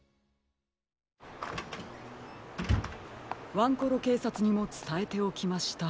ワンコロけいさつにもつたえておきました。